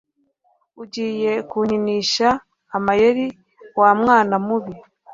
Ugiye kunkinisha amayeri, wa mwana mubi?